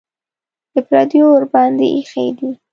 د پردیو ورباندې ایښي دي.